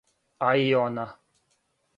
А и она.